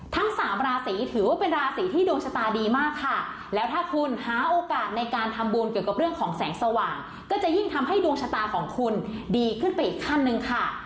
ทั้งสามราศีถือว่าเป็นราศีที่ดวงชะตาดีมากค่ะแล้วถ้าคุณหาโอกาสในการทำบุญเกี่ยวกับเรื่องของแสงสว่างก็จะยิ่งทำให้ดวงชะตาของคุณดีขึ้นไปอีกขั้นหนึ่งค่ะ